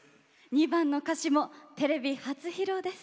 ２番の歌詞もテレビ初披露です。